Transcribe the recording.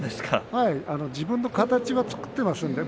自分の形を作っていますからね。